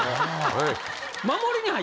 はい。